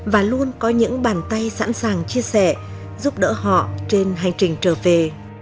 và luôn có những bàn tay sẵn sàng chia sẻ giúp đỡ họ trên hành trình trở về